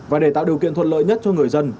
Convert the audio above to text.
và để tạo điều kiện thuận lợi nhất cho người dân